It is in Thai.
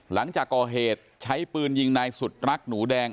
หลังจากก่อเหตุใช้ปืนยิงนายสุดรักหนูแดง